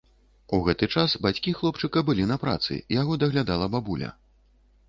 У гэты час бацькі хлопчыка былі на працы, яго даглядала бабуля.